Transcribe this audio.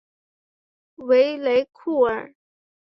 维雷库尔。